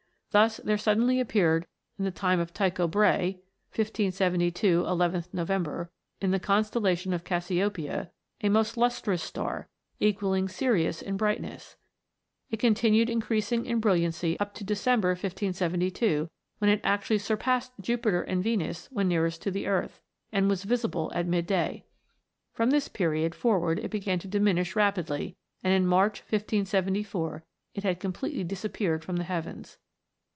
Thus there suddenly appeared in the time of Tycko Brake, (1572, llth November), in the constellation of Cas siopeia, a most lustrous star, equalling Sirius in brightness ; it continued increasing in brilliancy up to December, 1572, when it actually surpassed Jupiter and Venus when nearest to the earth, and was visible at mid day. From this period forward it began to diminish rapidly, and in March, 1574, it had completely disappeared from the heavens.